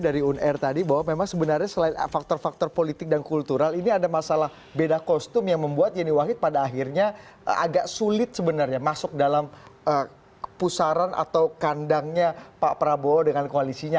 dari unr tadi bahwa memang sebenarnya selain faktor faktor politik dan kultural ini ada masalah beda kostum yang membuat yeni wahid pada akhirnya agak sulit sebenarnya masuk dalam pusaran atau kandangnya pak prabowo dengan koalisinya